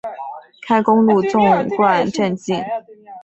开公路纵贯镇境。